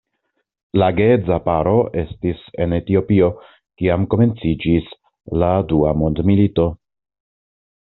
La geedza paro estis en Etiopio, kiam komenciĝis la dua mondmilito.